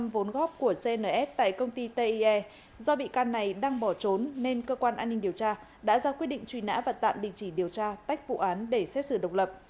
vốn góp của cnf tại công ty te do bị can này đang bỏ trốn nên cơ quan an ninh điều tra đã ra quyết định truy nã và tạm đình chỉ điều tra tách vụ án để xét xử độc lập